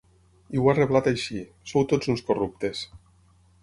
I ho ha reblat així: Sou tots uns corruptes.